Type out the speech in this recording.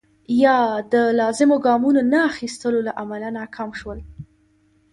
یا د لازمو ګامونو نه اخیستو له امله ناکام شول.